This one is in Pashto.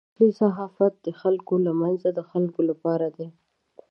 اصل صحافت د خلکو له منځه د خلکو لپاره دی.